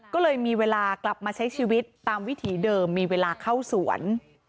ก็เลยมีเวลากลับมาใช้ชีวิตตามวิถีเดิมมีเวลาเข้าสวน